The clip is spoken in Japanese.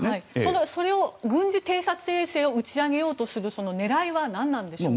軍事偵察衛星を打ち上げようとする狙いは何なんでしょうか。